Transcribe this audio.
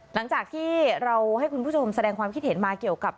หลังจากที่เราให้คุณผู้ชมแสดงความคิดเห็นมาเกี่ยวกับ